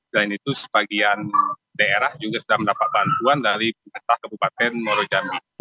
selain itu sebagian daerah juga sudah mendapat bantuan dari pemerintah kabupaten muarajambi